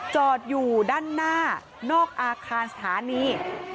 จอดอยู่ด้านหน้านอกอาคารสถานี